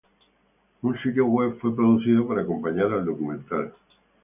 Un sitio web fue producido para acompañar al documental.